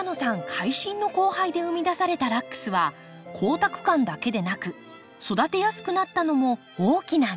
会心の交配で生み出されたラックスは光沢感だけでなく育てやすくなったのも大きな魅力。